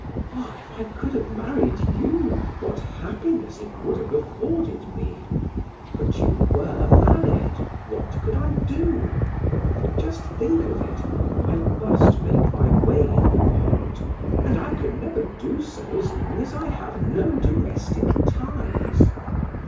Oh, if I could have married you, what happiness it would have afforded me! But you were married! What could I do? Just think of it! I must make my way in the world and I can never do so as long as I have no domestic ties.